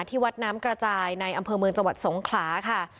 ที่วัดน้ำกระจายในอำเภอเมืองจังหวัดสงขลาค่ะ